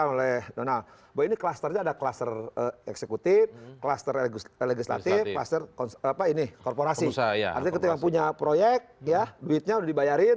oleh sona atau segala macam